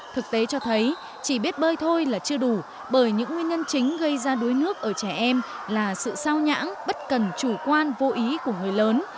thực tế cho thấy chỉ biết bơi thôi là chưa đủ bởi những nguyên nhân chính gây ra đuối nước ở trẻ em là sự sao nhãn bất cần chủ quan vô ý của người lớn